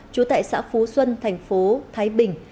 trú tại xã phú xuân thành phố thái bình